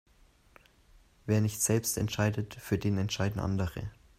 Wer nicht selbst entscheidet, für den entscheiden andere.